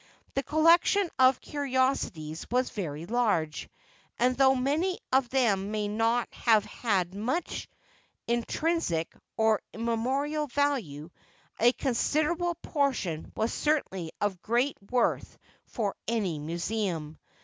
The collection of curiosities was very large, and though many of them may not have had much intrinsic or memorial value, a considerable portion was certainly of great worth for any Museum.